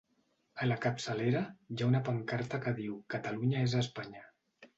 A la capçalera, hi ha una pancarta que diu Catalunya és Espanya.